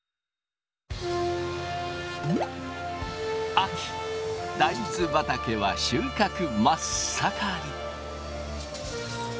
秋大豆畑は収穫真っ盛り。